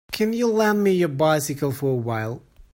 Can you lend me your bycicle for a while.